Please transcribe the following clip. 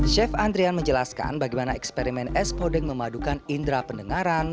chef andrian menjelaskan bagaimana eksperimen es podeng memadukan indera pendengaran